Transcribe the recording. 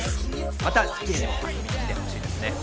また『スッキリ』にも遊びに来てほしいですね。